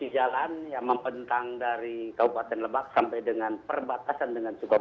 kondisi jalan yang mempentang dari kabupaten lebak sampai dengan perbatasan dengan sukabaya